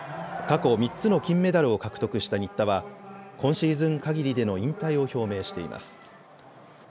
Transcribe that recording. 過去３つの金メダルを獲得した新田は今シーズンかぎりでの引退を表明しています。